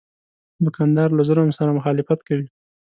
دوکاندار له ظلم سره مخالفت کوي.